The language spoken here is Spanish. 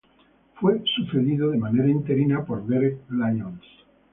Fue sucedido de manera interina por Derek Lyons.